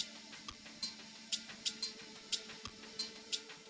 kamu telepon si arief